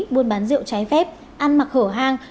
buôn bán rượu trái phép ăn mặc khở hàng